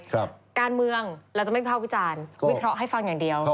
การเมืองเราจะไม่ภาควิจารณ์วิเคราะห์ให้ฟังอย่างเดียว